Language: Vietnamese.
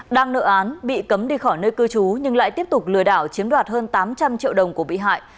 đang nợ án bị cấm đi khỏi nơi cư trú nhưng lại tiếp tục lừa đảo chiếm đoạt hơn tám trăm linh triệu đồng của bị hại